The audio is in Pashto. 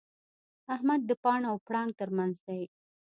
احمد د پاڼ او پړانګ تر منځ دی.